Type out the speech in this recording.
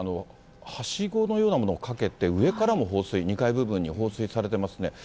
はしごのようなものをかけて、上からも放水、２階部分に放水されてますね。